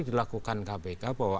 dilakukan kpk bahwa